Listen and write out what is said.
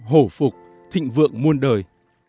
hổ phục thịnh vượng muôn đời